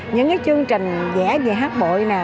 những cái chương trình dễ về hát bội nè